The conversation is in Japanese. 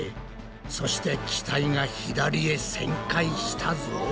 そして機体が左へ旋回したぞ。